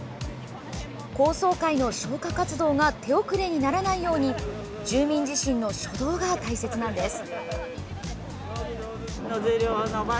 高層階の消火活動が手遅れにならないように住民自身の初動が大切なんです。